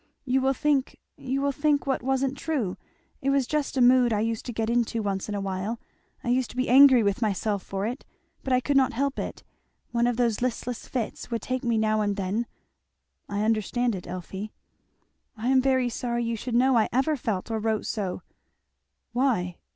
"You will think you will think what wasn't true, it was just a mood I used to get into once in a while I used to be angry with myself for it, but I could not help it one of those listless fits would take me now and then " "I understand it, Elfie." "I am very sorry you should know I ever felt or wrote so." "Why?"